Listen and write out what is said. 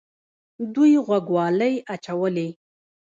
دوی غوږوالۍ اچولې